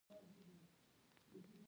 خدایه پدې غریب ملت رحم وکړي